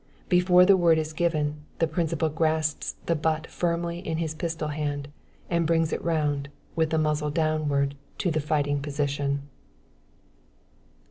Before the word is given, the principal grasps the butt firmly in his pistol hand, and brings it round, with the muzzle downward, to the fighting position.